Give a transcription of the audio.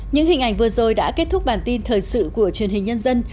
những hình ảnh vừa rồi đã kết thúc bản tin thời sự của truyền hình nhân dân